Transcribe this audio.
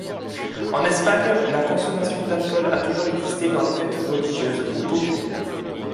En Espagne, la consommation d’alcool a toujours existé dans les fêtes religieuses ou populaires.